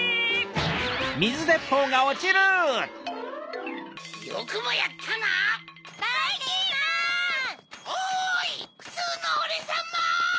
おいふつうのおれさま！